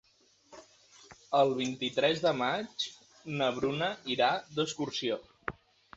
El vint-i-tres de maig na Bruna irà d'excursió.